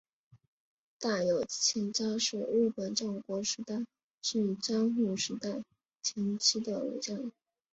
大友亲家是日本战国时代至江户时代前期的武将。